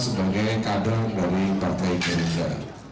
sebagai kader dari partai gerindra